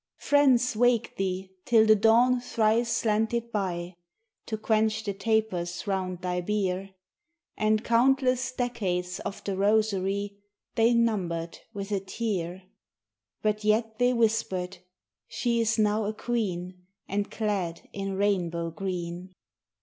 Friends waked thee till the dawn thrice slanted by To quench the tapers round thy bier, And countless decades of the rosary They numbered with a tear; But yet they whispered, "She is now a queen, And clad in rainbow green."